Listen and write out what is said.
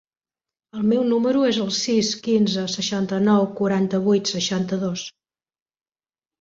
El meu número es el sis, quinze, seixanta-nou, quaranta-vuit, seixanta-dos.